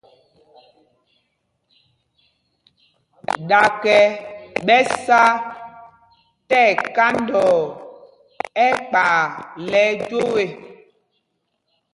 Ɗakɛ ɓɛ sá tí ɛkandɔɔ ɛkpay lɛ ɛjwoo ê.